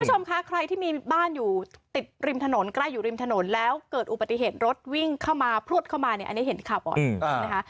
คุณผู้ชมคะใครที่มีบ้านอยู่ติดริมถนนใกล้อยู่ริมถนนแล้วเกิดอุบัติเหตุรถวิ่งเข้ามาพลวดเข้ามาเนี่ยอันนี้เห็นข่าวก่อนนะคะ